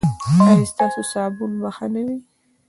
ایا ستاسو صابون به ښه نه وي؟